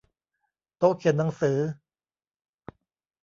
โต๊ะเขียนหนังสือ